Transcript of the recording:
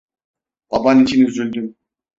Baban için üzüldüm.